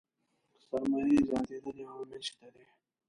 سرمايې زياتېدنې عوامل شته دي.